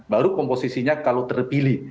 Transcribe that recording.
baru komposisinya kalau terpilih